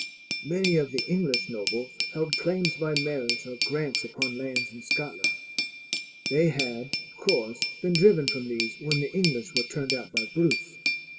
"Many of the English nobles held claims by marriage or grants upon lands in Scotland. They had, of course, been driven from these when the English were turned out by Bruce.